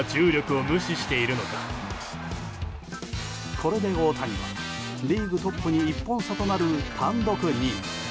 これで大谷はリーグトップに１本差となる単独２位。